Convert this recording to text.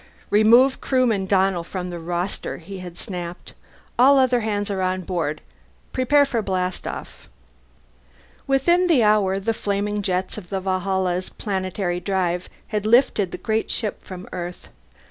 "Remove Crewman Donnell from the roster," he had snapped. "All other hands are on board. Prepare for blastoff." Within the hour the flaming jets of the Valhalla's planetary drive had lifted the great ship from Earth.